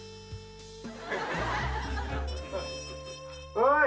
・おい。